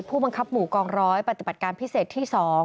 ผู้บังคับหมู่กองร้อยปฏิบัติการพิเศษที่๒